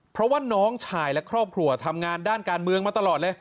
เพราะว่าน้องชายและครอบครัวทำงานด้านการเมืองมาตลอดเลย